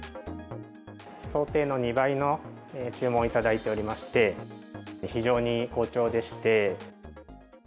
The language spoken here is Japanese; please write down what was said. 想定の２倍の注文を頂いておりまして、非常に好調でして。